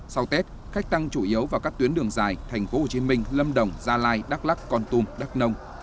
sau tết khách tăng chủ yếu vào các tuyến đường dài tp hcm lâm đồng gia lai đắk lắc con tum đắk nông